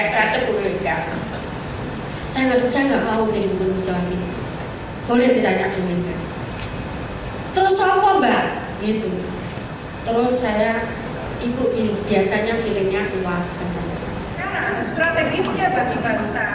ketua umum pdi perjuangan megawati soekarnoputri untuk tidak merekomendasikan dirinya